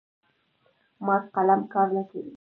مات قلم کار نه کوي.